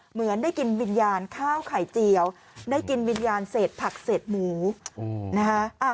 เหมือนได้กินวิญญาณข้าวไข่เจียวได้กินวิญญาณเศษผักเศษหมูนะคะ